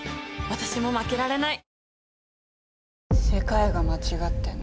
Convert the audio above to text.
私も負けられない！